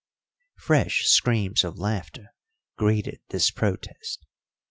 Fresh screams of laughter greeted this protest.